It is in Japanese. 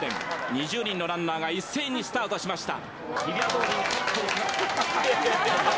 ２０人のランナーが一斉にスタートしました。